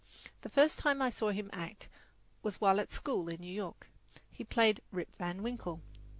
The first time I saw him act was while at school in New York. He played "Rip Van Winkle."